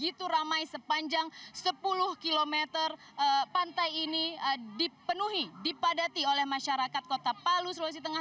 begitu ramai sepanjang sepuluh km pantai ini dipenuhi dipadati oleh masyarakat kota palu sulawesi tengah